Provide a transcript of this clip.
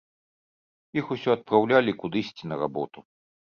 Іх усё адпраўлялі кудысьці на работу.